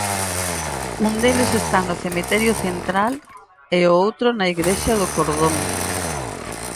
Un deles está no cemiterio Central e o outro na igrexa do Cordón.